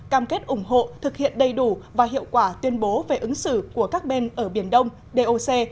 cam kết ủng hộ thực hiện đầy đủ và hiệu quả tuyên bố về ứng xử của các bên ở biển đông doc